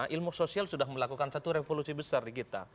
ilmu sosial sudah melakukan satu revolusi besar di kita